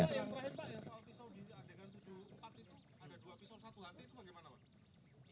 yang terhebat ya soal pisau